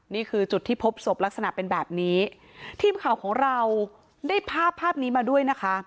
นี่คือจุดที่พบศพลักษณะเป็นแบบนี้ทีมข่าวของเราได้ภาพภาพนี้มาด้วยนะคะ